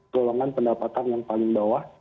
golongan pendapatan yang paling bawah